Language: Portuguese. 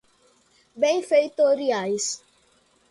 benfeitorias